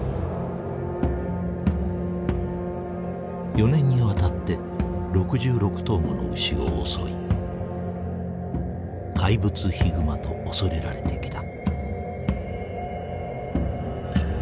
４年にわたって６６頭もの牛を襲い怪物ヒグマと恐れられてきた。